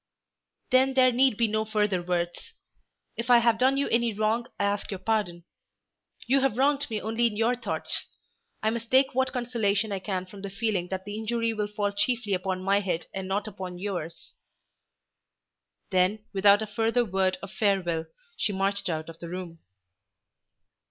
"Then there need be no further words. If I have done you any wrong I ask your pardon. You have wronged me only in your thoughts. I must take what consolation I can from the feeling that the injury will fall chiefly upon my head and not upon yours." Then without a further word of farewell she marched out of the room.